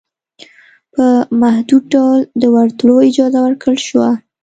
په محدود ډول دورتلو اجازه ورکړل شوه